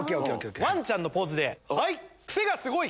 ワンちゃんのポーズはい！